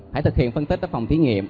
hãy thực hiện phân tích ở phòng thí nghiệm